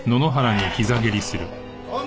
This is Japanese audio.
おい！